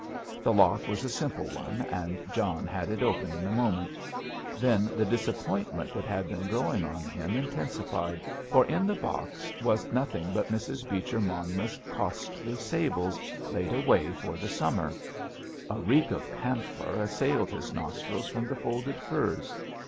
The lock was a simple one, and John had it open in a moment. Then the disappointment that had been growing on him intensified, for in the box was nothing but Mrs. Beecher Monmouth's costly sables laid away for the summer. A reek of camphor assailed his nostrils from the folded furs.